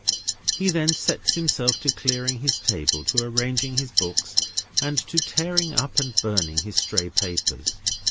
He then sets himself to clearing his table, to arranging his books, and to tearing up and burning his stray papers.